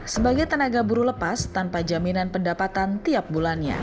sebagai tenaga buru lepas tanpa jaminan pendapatan tiap bulannya